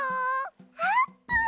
あーぷん！